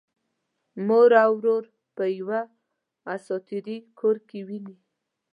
مور او ورور په یوه اساطیري کور کې ويني.